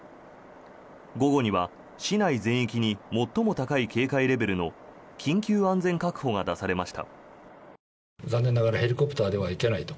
午後には市内全域に最も高い警戒レベルの緊急安全確保が出されました。